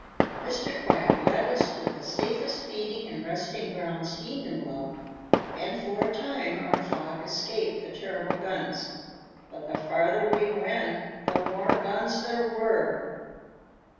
Mr. Quack led us to the safest feeding and resting grounds he knew of, and for a time our flock escaped the terrible guns. But the farther we went, the more guns there were."